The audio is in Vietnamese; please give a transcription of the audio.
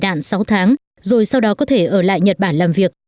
người dân xin tị nạn sáu tháng rồi sau đó có thể ở lại nhật bản làm việc